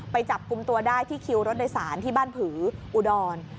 จับกลุ่มตัวได้ที่คิวรถโดยสารที่บ้านผืออุดร